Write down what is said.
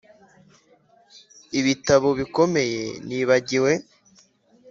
ibitabo bikomeye nibagiwe,